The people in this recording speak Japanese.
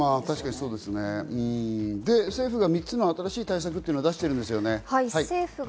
政府が３つの新しい対策を出しているんですよね。